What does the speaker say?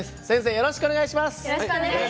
よろしくお願いします。